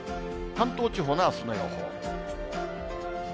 関東地方のあすの予報。